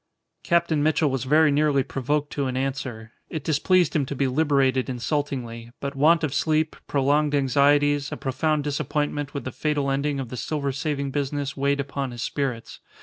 Captain Mitchell was very nearly provoked to an answer. It displeased him to be liberated insultingly; but want of sleep, prolonged anxieties, a profound disappointment with the fatal ending of the silver saving business weighed upon his spirits.